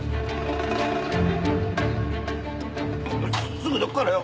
すぐどくからよ！